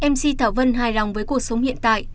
mc thảo vân hài lòng với cuộc sống hiện tại